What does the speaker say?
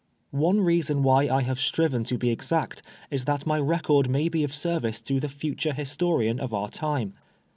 One reason why I have striven to be exact is that my record may be of service to the future historian of our time.